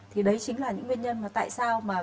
thì đấy chính là những nguyên nhân tại sao